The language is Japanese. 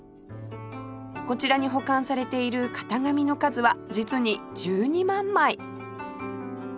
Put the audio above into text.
こちらに保管されている型紙の数は実に１２万枚！